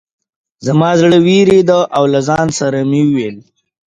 زما زړه ورېږده او له ځان سره مې وویل.